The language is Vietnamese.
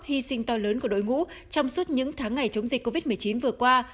hy sinh to lớn của đội ngũ trong suốt những tháng ngày chống dịch covid một mươi chín vừa qua